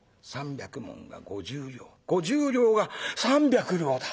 ３百文が５０両５０両が３百両だ。